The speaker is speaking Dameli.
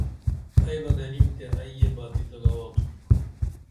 ائی بہ گنیم تے ائی یہ باتی تہ گواہ تُھم